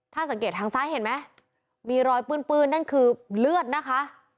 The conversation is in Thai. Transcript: ถ้าสังเกตทางซ้ายเห็นไหมมีรอยปื้นนั่นคือเลือดนะคะ